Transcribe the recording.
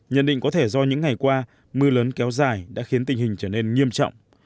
nhận định có thể do những ngày qua mưa lớn kéo dài đã khiến tình hình trở nên nghiêm trọng